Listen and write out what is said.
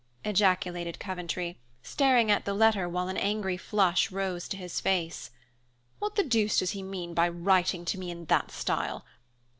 ejaculated Coventry, staring at the letter while an angry flush rose to his face. "What the deuce does he mean by writing to me in that style?